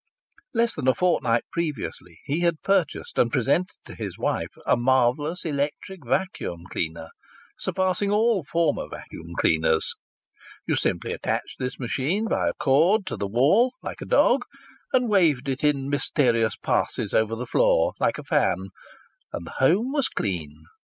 Less than a fortnight previously he had purchased and presented to his wife a marvellous electric vacuum cleaner, surpassing all former vacuum cleaners. You simply attached this machine by a cord to the wall, like a dog, and waved it in mysterious passes over the floor, like a fan, and the house was clean!